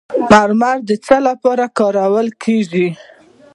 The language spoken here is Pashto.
مرمر د څه لپاره کارول کیږي؟